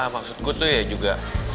maksud gue tuh ya juga